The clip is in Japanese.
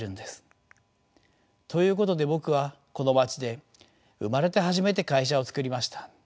ということで僕はこの町で生まれて初めて会社を作りました。